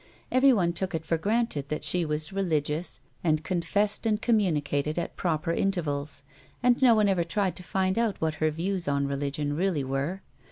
Everyone took it for granted that she was religious and confessed and communicated at proper intervals, and no one ever tried to find out what her views on religion really were.